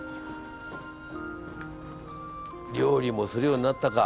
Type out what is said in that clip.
料理もするようになったか。